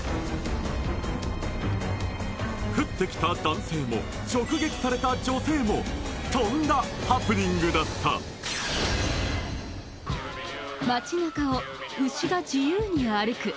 降ってきた男性も直撃された女性もとんだハプニングだった街なかを牛が自由に歩く